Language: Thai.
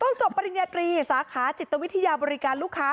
จบปริญญาตรีสาขาจิตวิทยาบริการลูกค้า